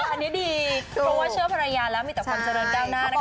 อันนี้ดีเพราะว่าเชื่อภรรยาแล้วมีแต่ความเจริญก้าวหน้านะคะ